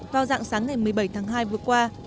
vào dạng sáng ngày một mươi bảy tháng hai vừa qua